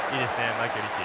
マイケルリーチ。